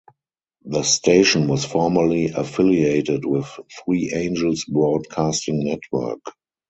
The station was formerly affiliated with Three Angels Broadcasting Network.